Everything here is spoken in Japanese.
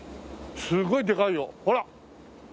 すごいでかいよ。ほら！